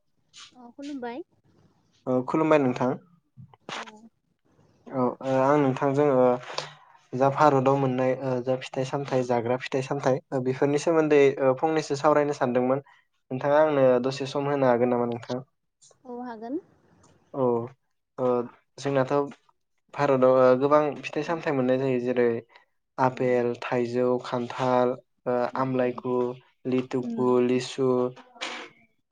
[inaudible] अ खुलुमबाय । ओ खुलुमबाय नोंथां। औ औ आं नोंथांजों ओ जा भारताव मोननाय ओ जा फि फिथाइ औ सामथाइ जाग्रा फिथाइ सामथाइ । बेफोरनि सोमोन्दै ओ फंनैसो सावरायनो सानदोंमोन। नोंथाङा आंनो दसे सम होनो हागोन नामा नोंथां? औ हागोन औ, ओ जोंनाथ भारताव ओ गोबां फिथाइ सामथाइ मोननाय जायो जेरै [unintelligible] औ आपेल थाइजौ खान्थाल, ओ औ आमलाय गु, लिथु गु, उम लिसु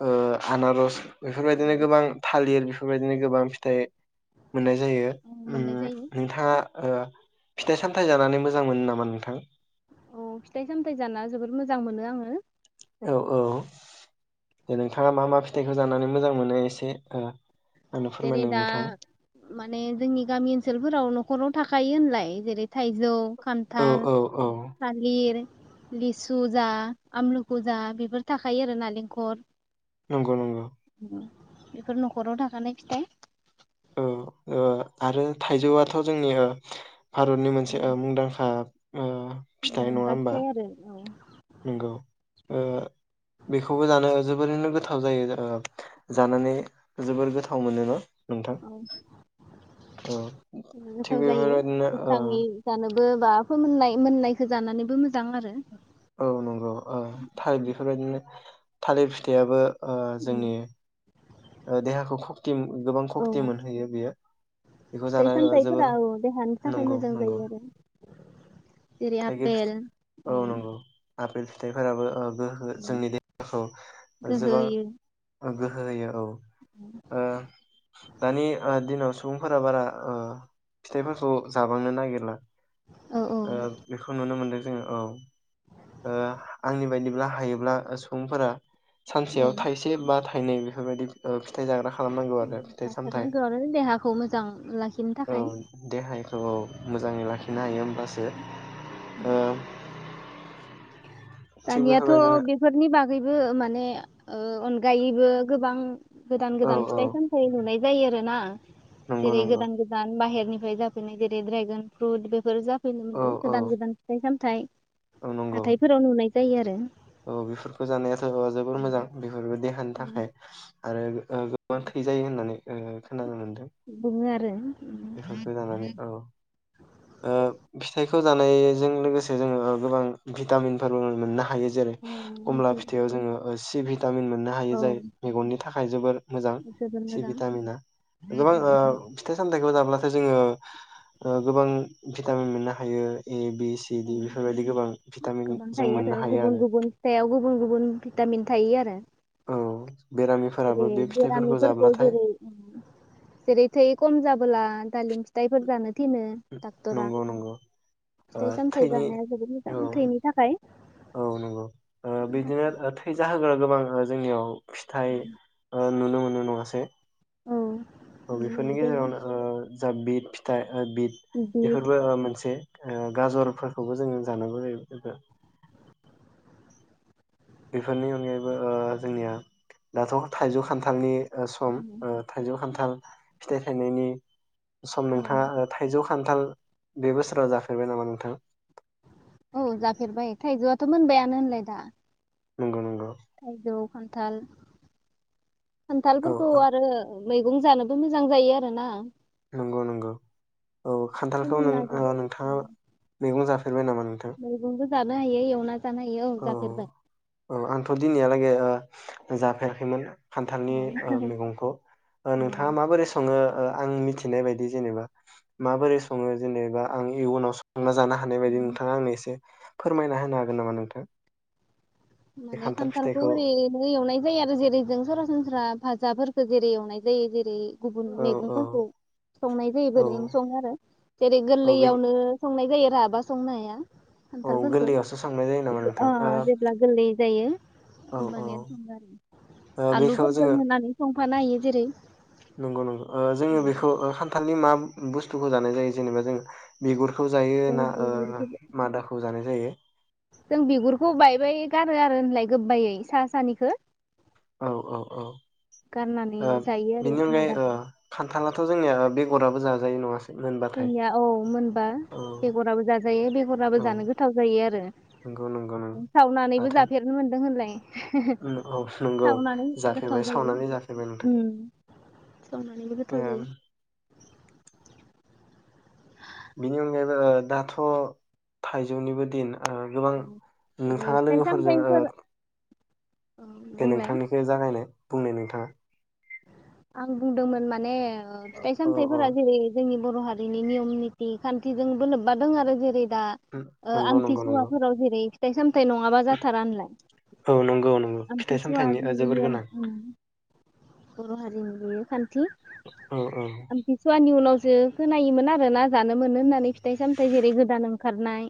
ओ आनारस बेफोरबायदिनो गोबां थालिर बेफोरबायदिनो गोबां फिथाइ मोननाय जायो औ ओम मोननाय जायो नोंथाङा ओ फिथाइ सामथाइ जानानै मोजां मोनो नामा नोंथां? औ फिथाइ सामथाइ जाना जोबोद मोजां मोनो आङो। औ, औ दे नोंथाङा मा मा फिथाइखौ जानानै मोजां मोनो? एसे ओ आंनो जेरै फोरमायनो दा नोंथां माने जोंनि गामि ओनसोलफोराव न नखराव थाखायो होनलाय जेरै थाइजौ औ खान्थाल औ औ थालिर लिसु जा आमलुखु जा बेफोर थाखायो आरो नारेंखल नंगौ, नंगौ। बेफोर न'खराव थाखानाय फिथाइ। औ, ओ आरो थाइजौआथ' जोंनि ओ भारतनि मोनसे ओ मुंदांखा ओ फिथाइ नङा मुंदांखा होमबा फिथाइ आरो औ नंगौ ओ बेखौबो जानो जोबोरैनो गोथाव जायो ओ जानानै जोबोर गोथाव मोनो न नोंथां? औ ओ गोथाव थिग जायो बेहदिनो ओ गोथाङै [unintelligible] फोमोननाय मोननायखौ जानानैबो मोजां आरो औ नंगौ ओ थार बेफोरबायदिनो थालिर फिथाइयाबो ओ उम जोंनि ओ देहाखौ खक्ति गोबां औ खक्ति मोनहैयो बेयो बेखौ फिथाइ जानानै सामथाइफोरा जोबोर औ देहानि थाखाय नंगौ, मोजां नंगौ जायो आरो जेरै थाइगिर फि आपेल औ आपेल फिथाइफोराबो ओ गोहो जोंनि देहाखौ गोहो जोबोर होयो गोहो होयो औ ओ दानि ओ दिनाव सुबुंफोरा बारा ओ फिथाइफोरखौ जाबांनो नागिरला औ औ ओ बे खौ नुनो मोनदों जोङो औ ओ आंनि बायदिब्ला हायोब्ला सुबुंफोरा औ सानसेयाव थाइसे बा थाइनै बेफोरबायदि फिथाइ जाग्रा खालामनांगौ आरो फिथाइ सामथाइ जाथारनांगौ आरो देहाखौ मोजां लाखिनो थाखाय। औ औ मोजाङै लाखिनो हायो होमब्लासो। उम थिग दानियाथ बेफोरबायदिनो बेफोरनि बागैबो माने ओ अन गायैबो गोबां गोदान औ गोदान औ फिथाइ सामथाइ नुनाय बिदि जायो आरोना नंगौ जेरै नंगौ गोदान गोदान बाहेर निफ्राय जाफैनाय जेरै ड्रेगन फ्रुट बेफोर जाफ फैनो औ मोनदों औ गोदान गोदान फिथाइ साम थाइ औ नंगौ हाथायफोराव नुनाय जायो आरो। औ बेफोरखौ जानायाथ जोबोर मोजां बेफोरबो देहानि थाखाय आरो गोबबां थै जायो होननानै खोनानो मोन्दों। बुङो आरो बेफोरखौ जानानै औ ओ फिथाइखौ जानायजों लोगोसे जोङो गोबां भिटामिनफोरबो मोनो ना । हायो जेरै औ खमला फिथाइयाव जोङो ओ सिबिं भिटामिन मोननो हायो जाय मेगननि थाखाय जोबोर मोजां जोबोर सि मोजां भिटामिना गोबां ओ फिथाइ सामथाइखौ जाब अब्लाथाय जोङो ओ गोबां भिटामिन मोननो हायो ए बि सि औ डि बेफोरबायदि गोबां भिटामिन गोबां जों थायो मोननो हायो गुबुन आरो। गुबुन फिथाइयाव गुबुन गुबुन भिटामिन थायो आरो । औ जेरै बेरामिफोराबो बे फिथाइफोरखौ बेरामिफोरखौ जाब्लाथाय जेरै जेरै थै खम जाबोला दालिम फिथ फिथाइफोर जानो थिनो डाक्टरा नंगौ नंगौ ओ फिथाइ सामथाइ थैनि जानाया जोबोद मोजां औ थैनि थाखाय औ नंगौ ओ बिदिनो थैजाहोग्रा गोबां ओ जोंनियाव फिथाइ ओ नुनो मोनो नङासै औ औ नुनो बेफोरनि मोननाय गेजेरावनो जायो ओ जा बिद फिथाइ ओ बिद बिट बेफोरबो ओ मोनसे ओ गाजरफोरखौबो जोङो जा नांगौ जायो बेफोरनि अनगायैबो ओ जोंनिया दाथ थाइजौ खान्थालनि ओ सम थाइजौ खान्थाल फिथाइ थायनायनि सम औ नोंथाङा थाइजौ खान्थाल बे बोसोराव जाफेरबाय नामा नोंथां औ जाफेरबाय थाइजौआथ मोनबायानो होनलाय दा नंगौ नंगौ थाइजौ खान्थाल औ खान्थालफोरखौ औ आरो मैगं जानोबो मोजां जायो आरो ना नंगौ नंगौ औ खान्थालखौ नों फोमोनना जानो ओ नोंथाङा मैगं जाफेर मैगंबो जानो हायो एवना जानो हायो औ जाफेरबाय औ आंथ' दिनैहालागै ओ फेराखैमोन खान्थालनि ओ मैगंखौ नोंथाङा औ माबोरै सङो ओ आं मिथि थिनाय बायदि जेनेबा माबोरै सङो जेनेबा आं इयुनाव स अंना जानो हानाय बायदि नोंथाङा आंनो एसे फोरमायना होनो हागोन नामा नोंथां बे माने खान्थाल खान्थालखौ फिथाइखौ ओरैनो एवनाय जायो आरो जेरै जों सरासनस्रा भाजाफोर खो जेरै एवनाय जायो जेरै गुबुन औ औ मैगंफोरखौ संनाय जायो औ ओरैनो सङो आरो जेरै औ बे गोरलैयावनो संनाय जानयो राबा संनो हाया। औ खान्थालफोरखौ गोरलैयावसो सांनाय जायो नामा अ नोंथां ओ जेब्ला गोरलै जायो। औ औ ओमबानिया संदो आरो ओ बेखौ आलुफोरजों जोङो होनानै सं। बानायो जेरै नंगौ नंगौ ओ जोङो बेखौ ओ खान्थालनि मा ओं ओ बुस्थुखौ जानाय जायो जेनेबा जों बिुगुर खौ जायो ना ओ जों मादाखौ जानाय जायो। जों बिगुरखौ बायबाय गारो आरो होनलाय गोबायै सा सानिखो औ औ औ गारनानै ओ जायो आरो बिनि मा अनगायै ओ दाखो खान्थालाथ जोंनिया बे अराबो जाजायो नङा जोंनिया औ मोनबा बेगराबो जा जायो बेगराबो औ जानो गोथाव जायो आरो। नंगौ नंगौ नंगौ सावनानैबो बाथोन जाफेरनो मोन्दों होनलाय? [unintelligible] औ नंगौ सावनानै गोथाव जाफेरबाय सावनानै जाफेरबाय नोंथां। सावनानैबो गोथाव जायो। बिनि अनगायैबो दाथ थाइजौनिबो दिन। ओ गोबां जेरै नोंथाङा फिथाइ लोगोफोरजों ओ सामथाइफोर औ दे बुंलाय नोंथांनिखो जागायलाय बुंनाय नोंथाङा। आं बुंदोंमोन माने ओ फिथाइ औ औ सामथायफोरा जेरै जोंनि बर' हार बिनि नियम निथि खान्थिजोंबो लोब्बा दोङो आरो जेरै दा उम ओ नंगौ नंगौ नंगौ आमथिसुवाफोराव जेरै थाय साम थाय नङाबा जाथारा होनलाय औ नंगौ नंगौ फिथाइ सामथाइनि आमथिसुवानि ओ जोबोर नियम गोनां उम बर' हारिनि बेयो फान थि औ औ आमथि सुवानि उनाव जो खोनायोमोन आरो ना जानो मोनो होननानै फि थाय सामथाय जेरै गोदानाव खारनाय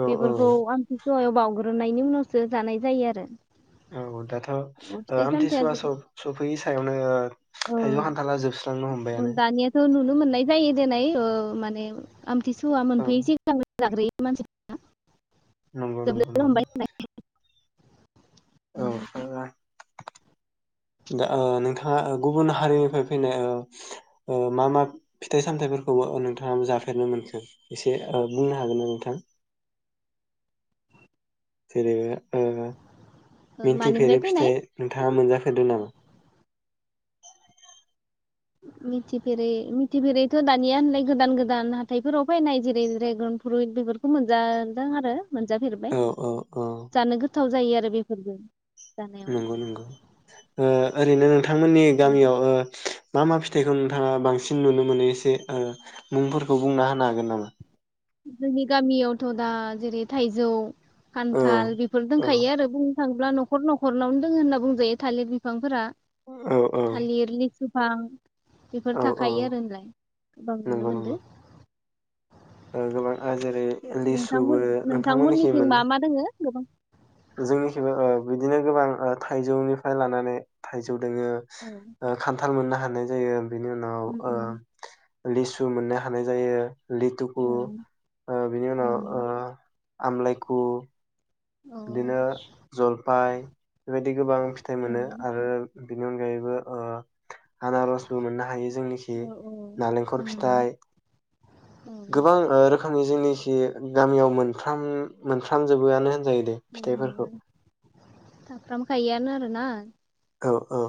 औ बेफोरखौ आमथिसुवायाव बावग्रोनायनि उनावसो जानाय जायो आरो। औ दाथ ओ फिथाइ आमथिसुवा सामथाइया सब सफैयि थायावनो थाइजौ, ओ खान्थाला जोबस्रांनो हमबायानो। दानियाथ' नुनो मोननाय जायो दिनै माने आमथि सुवा औ मोनफैयि सिगांनो जाग्रोयो मानसिफोरा। नंगौ नंगौ नंगौ। औ ओ दा नोंथाङा गुबुन हारिनिफ्राय फैनाय मा मा फिथाइ सामथाइफोरखौबो नोंथाङा जाफेरनो मोनखो? एसे बुंनो हागोन ना नोंथां? [unintelligible] ओ मानिफ्राय मिथिफेरै फैनाय फिथाइ नोंथाङा मोनजाफे फेरदों नामा? मिथिफेरै मिथिफेरैथ' दानिया होनलाय गोदान गोदान हाथाइफोराव फैनाय जेरै ड्रेगन फ्रुइट बेफोरखौ मोनजादों आरो। मोनजाफेरबाय औ औ औ जानो गोथाव जायो आरो बेफोरजों नंगौ नंगौ ओ ओरैनो नों नोंथांमोननि गामियाव ओ मा मा फिथाइखौ नोंथाङा बांसिन नुनो मोनो एसे ओ मुंफोरखौ बुंना होनो हागोन नामा? जोंनि गामियावथ' दा जेरै थाइजौ औ खान्थाल बेफोर औ दोंखायो आरो बुं थांब्ला न'खर न'खरनावनो दङ होनना बुंजायो थालिर बिफांफोरा। औ औ थालिर गोबां औ बेफोर औ थाखायो आरो होनलाय गोबां नुनो नंगौ नंगौ मोनदों। ओ गोबां ओ जेरै लिसुबो नोंथांमोन नोंथांमोननिथिं मा मा दोङो गोबां जोंनिखिबो बिदिनो गोबां थाइजौनिफ्राय लानानै थाइजौ जोङो औ ओ खान्थाल मोननो हा मोन्नाय जायो आरोना। बेनि उनाव उम उम ओ लिसु मोननो हानाय जायो। लिथुखु औ ओ बिनि उनाव उम ओ आमलायखु औ बिदिनो जलफाय बेबायदि गोबां फिथाइ मोनो उम आरो बेनि अनगायैबो ओ आनारसबो मोननो हायो जोंनिखि औ औ नारेंखल उम फिथाइ औ गोबां ओ रोखोमनि जिनिस [unintelligible] गामियाव मोनफ्राम मोनफ्राम जबोआनो होन जायो दे फिथाइफोरखौ [unintelligible] आरो ना औ औ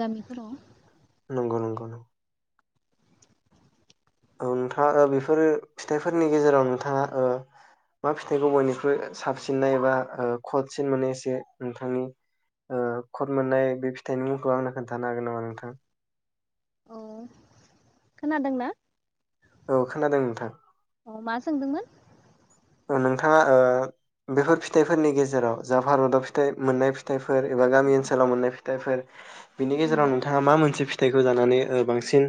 गामिफोराव नोंगौ नोंगौ नों औ नोंथाङा ओ बेफोरो फिथाइफोरनि गेजेराव नोंथाङा ओ मा फिथाइखौ बयनिख्रुइ साबसिनै बा ओ खदसिन मोनो एसे नोंथांनि ओ खद मोननाय बे फिथाइनि मुंखौ आंनो खोन्थानो हागोन नामा नोंथां? औ खोना दोंना औ खोनादों नोंथां औ मा सोंदोंमोन? ओ नोंथाङा ओ बेफोर फिथाइफोरनि गेजेराव जा भारताव फिथाइ मोननाय फिथाइ फोर एबा गामि ओनसोलाव मोननाय फिथाइफोर बिनि गेजेराव नोंथाङा मा मोनसे फि थाइखौ जानानै ओ बांसिन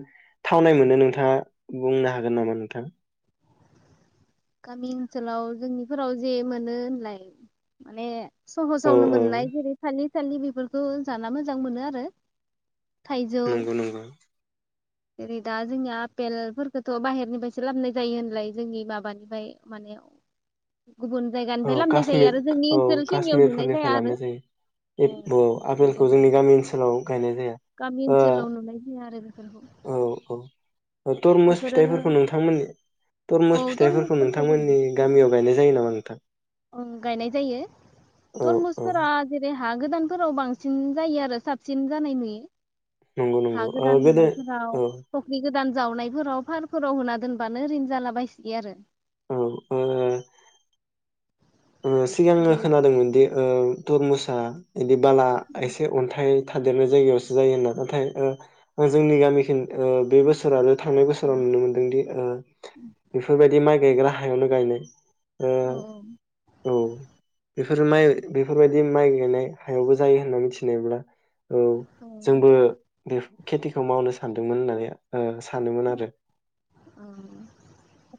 थावनाय मोनो नोंथाङा बुंनो हागोन नामा नोंथां? गामि ओनसोलाव जोंनिफोराव जे मोनो होनलाय माने औ सहसावनो औ मोननाय जेरै खालि [unintelligible] लि बेफोरखौ जाना मोजां मोनो आरो थाइजौ नंगौ नंगौ जेरै दा जोंनिया आफेल फोरखौथ बाहेरनिफायसो लाबनाय जायो होनलाय जोंनि माबानि फाय मानेआव औ कश्मिर औ खिनियाव नुनाय जाया काश्मिरफोरनिफ्राय आरो लाबनाय अ जायो एफ औ गुबुन आपेलखौ जोंनि जायगानिफ्राय गामि ओनसोलाव गायनाय जाया गामि ओ ओनसोलाव नुनाय जाया आरो बेफोरखौ औ‌ तरमुस बेफोरो फिथायफोरखौ नोंथां मोननि तरमुस औ फिथाइफोरखौ तरमुसफोरखौ जों नोंथांमोननि गामियाव गायनाय जायो नामा नोंथां ओं गायनाय जायो औ औ तरमुसफोरा जेरै हा गोदानफोराव बांसिन जायो आरो साबसिन जानाय नुयो। नंगौ नंगौ ओ बेनो औ दान जावनायफोराव फारफोराव होना दोनबानो रिन जाला बायसोयो आरो औ ओ ओ सिगाङो जेरै खोनादोंमोन दि ओ तरमुसा एदि बाला एसे अन्थाइ थादेरनाय जायगायावसो जायो होनना नाथाय ओ ओ जोंनि गामि खिन ओ बे बोसोरानो थांनाय बोसोराव औ नुनो मोनदोंदि ओ बेफोर बायदि माइ गायग्रा हा हायावनो गायनाय ओ औ औ औ बेफोर माइ बेफोर बायदि माइ गायनाय हायावबो जायो होनना मिथिनायब्ला औ जोंबो बे खेटिखौ मावनो सानदोंमोन होननानै ओ सानोमोन आरो औ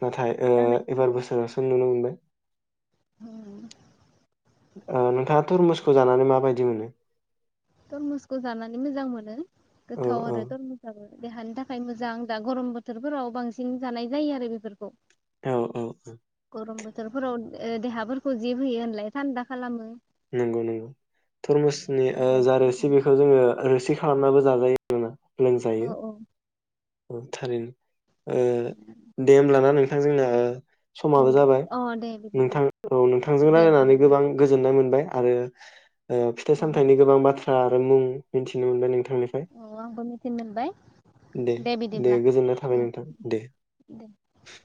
नाथाय ओ जानाय एबार बोसोर नुनो मोनबाय होम्म ओ नोंथाङा तरमुसखौ जानानै माबायदि मोनो? तरमुसखौ जानानै मोजां मोनो । औ गोथाव औ आरो तरमुस आबो देहानि थाखाय मोजां दा गरम बोथोरफोराव बांसिन जानाय जायो आरो बेफोरखौ औ औ औ गरम बोथोरफोराव ओ देहाफोरखौ जिब होयो होनलाय थान्दा खालामो । नोंगौ नोंगौ थरमुसनि ओ जा रोसि बिखौ जोङो रोसि खालामनाबो जाजायो आरोना लोंजायो औ औ औ थारैनो ओ दे‌ होमब्ला ना नों थां जोंना दे समाबो जाबाय अ दे बिदिब्ला नोंथां औ नोंथांजों दे दे रायलायनानै गोबां गोजोननाय मोन बाय आरो ओ फिथाइ अ सामथाइनि गोबां बा थ्रा आरो मुं मिथिनो मोनबाय नों थांनिफ्राय औ आंबो मिथिनो मोनबाय दे दे गोजोननाय थाबाय औ नोंथां दे दे ।